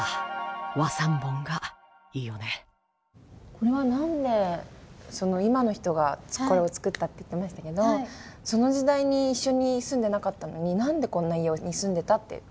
これは何で今の人がこれを作ったって言ってましたけどその時代に一緒に住んでなかったのに何でこんな家に住んでたって判明したんですか？